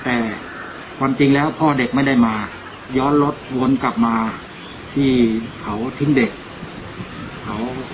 แต่ความจริงแล้วพ่อเด็กไม่ได้มาย้อนรถวนกลับมาที่เขาทิ้งเด็กเขา